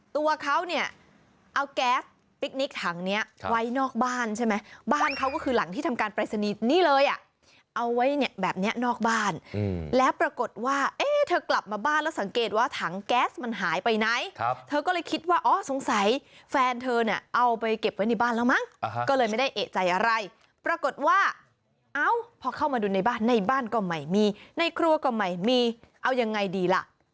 ทางเขาก็คือหลังที่ทำการปรัยศนีย์นี้เลยอ่ะเอาไว้เนี้ยแบบเนี้ยนอกบ้านอืมแล้วปรากฏว่าเอ๊เธอกลับมาบ้านแล้วสังเกตว่าทางแก๊สมันหายไปไหนครับเธอก็เลยคิดว่าอ๋อสงสัยแฟนเธอเนี้ยเอาไปเก็บไว้ในบ้านแล้วมั้งอ่าฮะก็เลยไม่ได้เอกใจอะไรปรากฏว่าเอาพอเข้ามาดูในบ้านใน